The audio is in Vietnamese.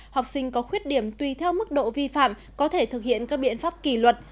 học sinh có khuyết điểm tùy theo mức độ vi phạm có thể thực hiện các biện pháp kỳ luật